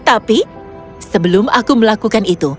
tapi sebelum aku melakukan itu